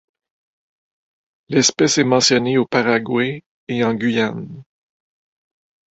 L'espèce est mentionnée au Paraguay et en Guyane.